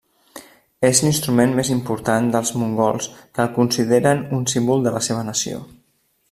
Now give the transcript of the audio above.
És l'instrument més importat dels mongols que el consideren un símbol de la seva nació.